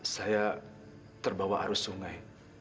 saya terbawa arus sungai